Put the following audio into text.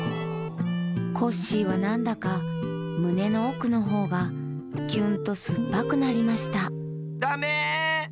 コッシーはなんだかむねのおくのほうがキュンとすっぱくなりましただめ！